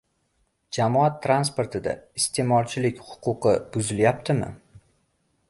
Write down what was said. Jamoat transportida iste’molchilik huquqi buzilyaptimi?